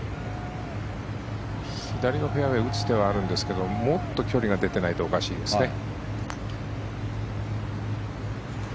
左のフェアウェー打つ手はあるんですけどももっと距離が出てないとおかしいですね。